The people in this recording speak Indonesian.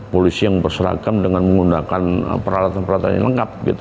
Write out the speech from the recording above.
polisi yang berseragam dengan menggunakan peralatan peralatan yang lengkap gitu